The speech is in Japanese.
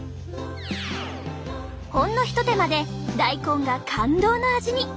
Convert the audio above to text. ほんの一手間で大根が感動の味に。